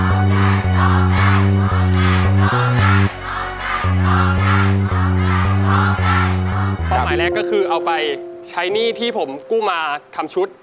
ความหมายแรกก็คือเอาไปใช้หนี้ที่ผมกู้มาทำชุด